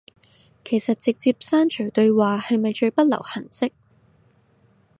其實直接刪除對話係咪最不留痕跡